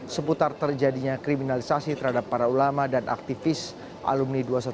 seputar terjadinya kriminalisasi terhadap para ulama dan aktivis alumni dua ratus dua belas